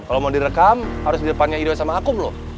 kalo mau direkam harus di depannya ide sama aku